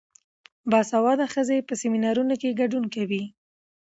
باسواده ښځې په سیمینارونو کې ګډون کوي.